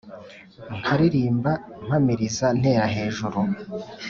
Nkaririmba mpamiriza ntera hejuru